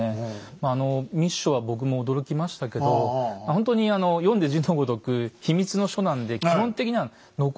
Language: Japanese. まああの密書は僕も驚きましたけどほんとに読んで字のごとく秘密の書なんで基本的には残らないんですね。